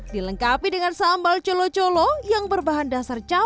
dilengkapi dengan sambal colo colo yang berbahan dasar cabai kecap dan susu